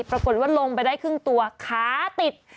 ปรากฏว่าลงไปได้ครึ่งตัวขาติด